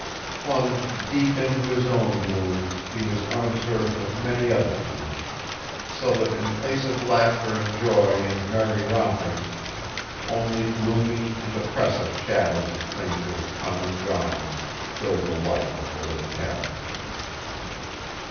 Plunged deep in his own gloom, he was unobservant of many other things, so that, in place of laughter and joy and merry rompings, only gloomy and oppressive shadows of things that had come and gone filled the life of the little cabin.